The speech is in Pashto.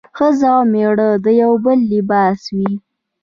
ښځه او مېړه د يو بل لباس وي